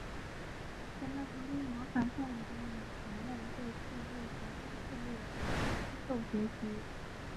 想要成为魔法少女的女孩们会进入国家设立的培训机构学习。